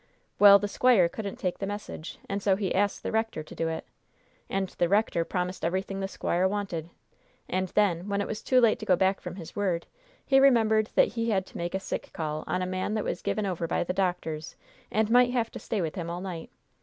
"Well, the squire couldn't take the message, and so he asked the rector to do it. And the rector promised everything the squire wanted, and then, when it was too late to go back from his word, he remembered that he had to make a sick call on a man that was given over by the doctors, and might have to stay with him all night.